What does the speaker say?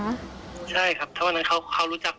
ใช่ครับถ้าวันนั้นเขารู้จัก